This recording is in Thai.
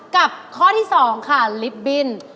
กับข้อที่๒ค่ะลิฟต์บิ้น